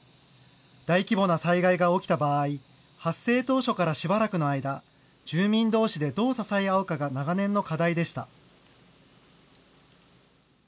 大規模な災害が起きた場合、発生当初からしばらくの間、住民どうしでどう支え合うかが長年の課題でした。